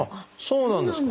そうなんですか。